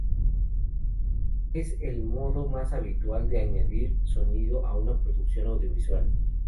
Es el modo más habitual de añadir sonido a una producción audiovisual.